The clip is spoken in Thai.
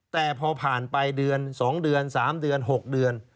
แต่พอผ่านไปเดือน๒เดือน๓เดือน๖เดือน